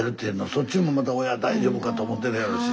そっちもまた親大丈夫かと思ってるやろし。